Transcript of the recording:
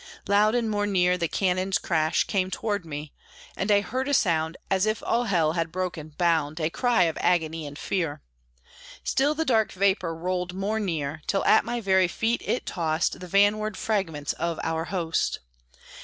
Loud and more near the cannon's crash Came toward me, and I heard a sound As if all hell had broken bound A cry of agony and fear. Still the dark vapor rolled more near, Till at my very feet it tossed, The vanward fragments of our host.